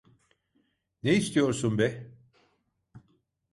Ne istiyorsun be?